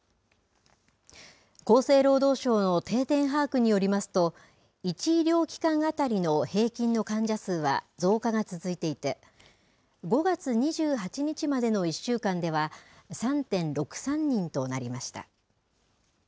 厚生労働省の定点把握によりますと１医療機関当たりの平均の患者数は増加が続いていて５月２８日までの１週間では３．６３人となりました。